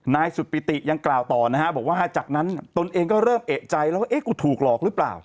นายสุดปิติยังกล่าวต่อนะฮะบอกว่าจากนั้นตนเองก็เริ่มเอกใจแล้วว่าเอ๊ะกูถูกหลอกหรือเปล่า